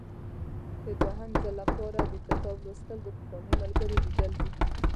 د دوهم ځل لپاره د کتاب لوستل د پخواني ملګري لیدل دي.